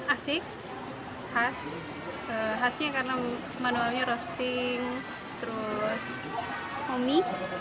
asik khasnya karena manualnya roasting terus umi